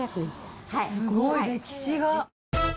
すごい歴史が。